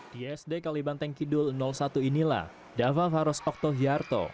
di sd kalibanteng kidul satu inilah dava faros oktohiarto